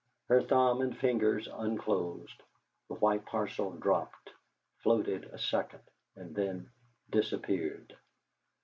Her thumb and fingers unclosed; the white parcel dropped, floated a second, and then disappeared.